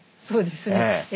そうですね。